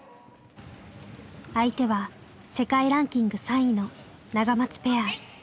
相手は世界ランキング３位のナガマツペア。